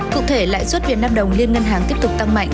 cụ thể lãi suất việt nam đồng liên ngân hàng tiếp tục tăng mạnh